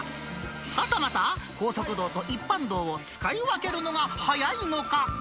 はたまた高速道と一般道を使い分けるのがはやいのか？